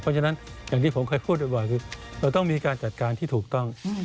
เพราะฉะนั้นอย่างที่ผมเคยพูดบ่อยคือเราต้องมีการจัดการที่ถูกต้อง